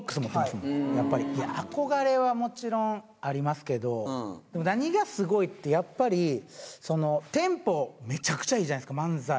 憧れはもちろんありますけど、でも何がすごいって、やっぱりテンポが、めちゃくちゃいいじゃないですか、漫才。